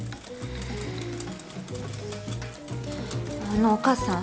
あのお母さん。